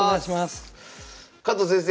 加藤先生